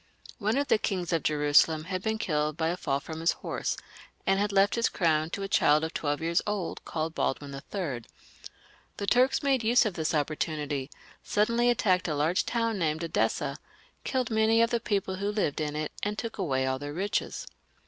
One of the kings of Jerusalem had been killed by a fall from his horse, and had left his crown to a child of twelve years old, called Baldwin III. The Turks made use of the opportimity, suddenly attacked a large town named Edessa, killed many of the people who lived in it, and took away all their riches.